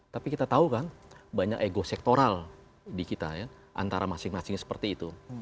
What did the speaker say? tapi kita tahu kan banyak ego sektoral di kita ya antara masing masing seperti itu